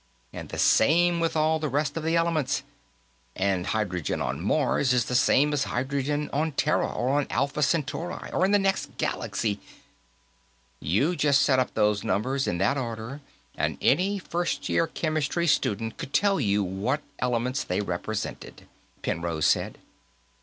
And the same with all the rest of the elements. And hydrogen on Mars is the same as hydrogen on Terra, or on Alpha Centauri, or in the next galaxy " "You just set up those numbers, in that order, and any first year chemistry student could tell you what elements they represented." Penrose said.